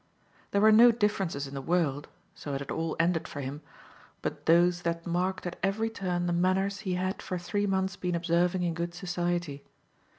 There were no differences in the world so it had all ended for him but those that marked at every turn the manners he had for three months been observing in good society.